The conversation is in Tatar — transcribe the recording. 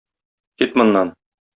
Кит моннан!